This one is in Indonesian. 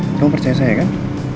kamu percaya saya kan